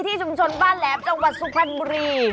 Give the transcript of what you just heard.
ที่ชุมชนบ้านแล้วจังหวัดสุฟานบุรี